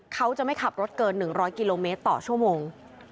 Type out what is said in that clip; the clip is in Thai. เขาจะไม่ขับรถเกิน๑๐๐กิโลเมตรต่อชั่วโมง